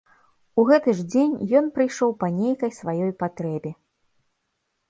У гэты ж дзень ён прыйшоў па нейкай сваёй патрэбе.